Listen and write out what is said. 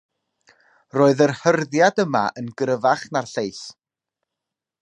Roedd yr hyrddiad yma yn gryfach na'r lleill.